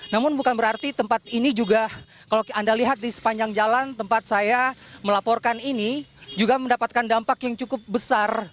namun bukan berarti tempat ini juga kalau anda lihat di sepanjang jalan tempat saya melaporkan ini juga mendapatkan dampak yang cukup besar